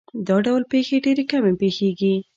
دا ډول پېښې ډېرې کمې پېښېږي.